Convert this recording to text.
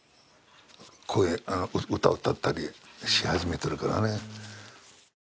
歌を歌ったりし始めているからね。